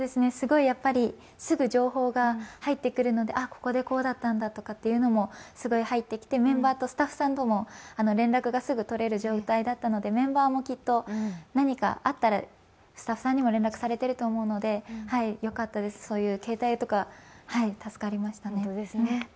すごいすぐ情報が入ってくるので、ここでこうだったんだというのも入ってきてメンバーとスタッフさんとも連絡がすぐ取れる状態だったので、メンバーもきっと何かあったらスタッフさんにも連絡されてると思うのでよかったです、そういう携帯とか助かりましたね。